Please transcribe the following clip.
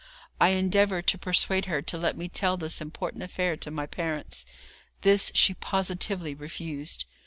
I endeavoured to persuade her to let me tell this important affair to my parents. This she positively refused.